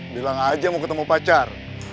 bilang aja mau ketemu pacar